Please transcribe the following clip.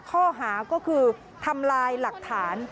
ข้อหาก็คือทำลายหลักฐาน